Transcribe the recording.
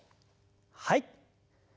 はい。